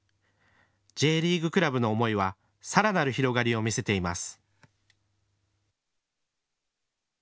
Ｊリーグクラブの思いはさらなる広がりを見せています。